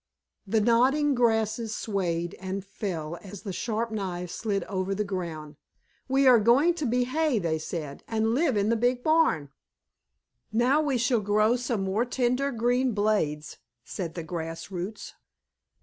The nodding grasses swayed and fell as the sharp knives slid over the ground. "We are going to be hay," they said, "and live in the big barn." "Now we shall grow some more tender green blades," said the grass roots.